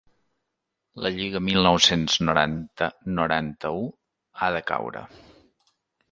La Lliga mil nou-cents noranta-noranta-u ha de caure.